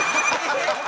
えっ！